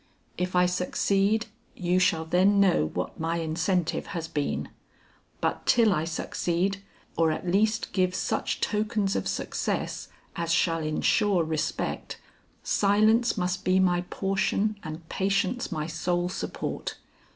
If I succeed you shall then know what my incentive has been. But till I succeed or at least give such tokens of success as shall insure respect, silence must be my portion and patience my sole support.